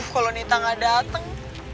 kalau nita gak dateng